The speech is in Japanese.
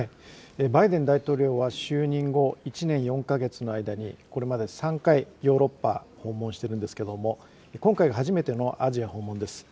バイデン大統領は就任後、１年４か月の間にこれまで３回、ヨーロッパを訪問しているんですけれども、今回が初めてのアジア訪問です。